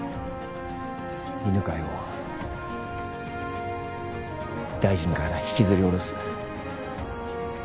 犬飼を大臣から引きずり下ろす。